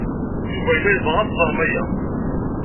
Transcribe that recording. Yuba yella yebɣa ad teẓrem aya.